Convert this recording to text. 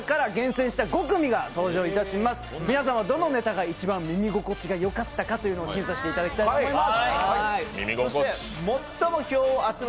皆さんは、どのネタが一番耳心地がよかったかを審査していただきます。